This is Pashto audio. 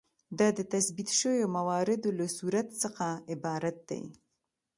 دا د تثبیت شویو مواردو له صورت څخه عبارت دی.